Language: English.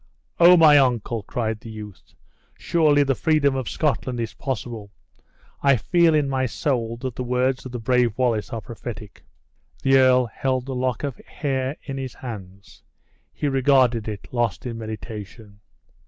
"O! my uncle," cried the youth, "surely the freedom of Scotland is possible. I feel in my soul, that the words of the brave Wallace are prophetic." The earl held the lock of hair in his hands; he regarded it, lost in meditation.